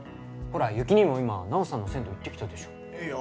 ほら有起兄も今奈緒さんの銭湯行ってきたでしょいや